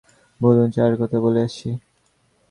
বলুন, চায়ের কথা বলে আসি।